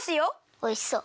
おいしそう。